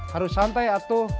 harus santai atuh